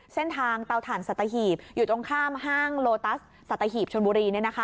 เตาถ่านสัตหีบอยู่ตรงข้ามห้างโลตัสสัตหีบชนบุรี